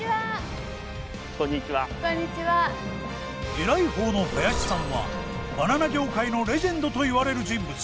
エライ方の林さんはバナナ業界のレジェンドと言われる人物。